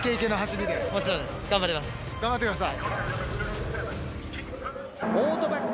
頑張ってください。